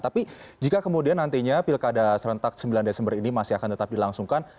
tapi jika kemudian nantinya pilkada serentak sembilan desember ini masih akan tetap dilangsungkan